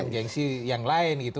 gengsi yang lain gitu